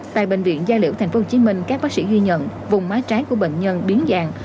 tại bệnh viện gia liễu tp hcm các bác sĩ ghi nhận vùng mái trái của bệnh nhân biến dạng